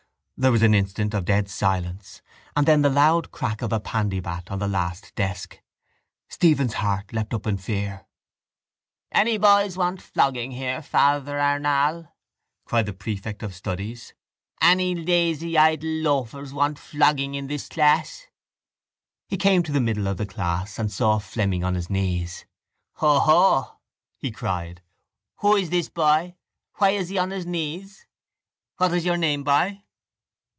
There was an instant of dead silence and then the loud crack of a pandybat on the last desk. Stephen's heart leapt up in fear. —Any boys want flogging here, Father Arnall? cried the prefect of studies. Any lazy idle loafers that want flogging in this class? He came to the middle of the class and saw Fleming on his knees. —Hoho! he cried. Who is this boy? Why is he on his knees? What is your name, boy?